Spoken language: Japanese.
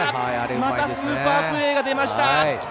またスーパープレーが出ました。